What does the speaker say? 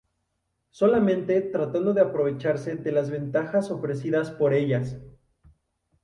Solamente tratando de aprovecharse de las ventajas ofrecidas por ellas.